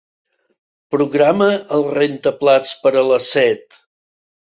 Programa el rentaplats per a les set.